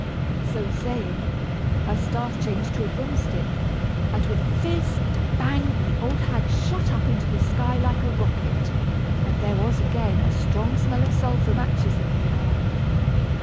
So saying, her staff changed to a broom stick, and with a fizz and a bang the old hag shot up into the sky like a rocket. And there was again a strong smell of sulphur matches in the air!